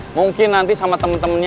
mungkin nanti sama teman temannya